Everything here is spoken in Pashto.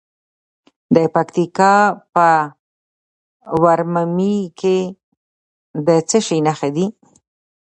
د پکتیکا په ورممی کې د څه شي نښې دي؟